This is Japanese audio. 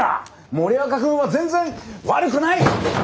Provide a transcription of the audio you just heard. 森若君は全然悪くない！